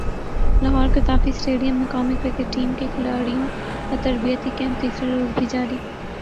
Lahore Gaddafi stadium میں قومی cricket team کے کھلاڑیوں کا تربیتی کیمپ تیسرے روز بھی جاری